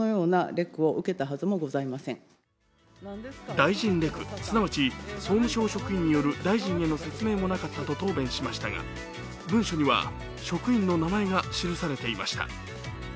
大臣レク、すなわち総務省職員による大臣への説明もなかったと答弁しましたが文書には、職員の名前が記されていました。